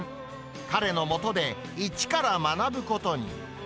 彼の下で一から学ぶことに。